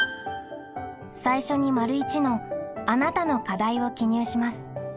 最初に①の「あなたの課題」を記入します。